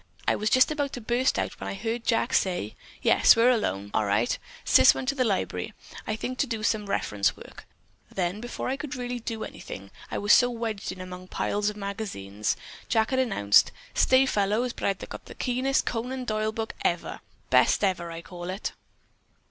I was just about to burst out when I heard Jack say, 'Yes, we're alone, all right! Sis went to the library, I think, to do some reference work.' Then, before I really could do anything (I was so wedged in among piles of magazines). Jack had announced: 'Say, fellows, but I've got the keenest Conan Doyle book. Best ever. I call it!